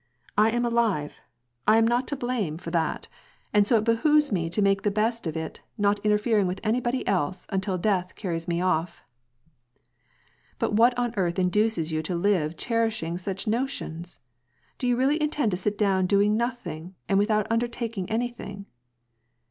I am alive and I am VOL. 2. 8. 114 WAR AND PEACE, not to blame for that, and so it behooves me to make the best of it, not interfering with anybody else until death carries me off!" ' '^But what on earth induces you to live cherishing such notions ? Do you really intend to sit down doing nothing, without undertaking anything